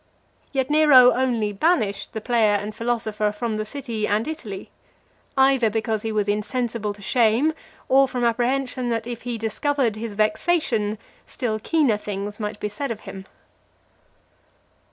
Yet Nero only banished the player and philosopher from the city and Italy; either because he was insensible to shame, or from apprehension that if he discovered his vexation, still keener things might be said of him.